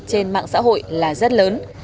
trên mạng xã hội là rất lớn